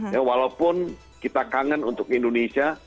ya walaupun kita kangen untuk indonesia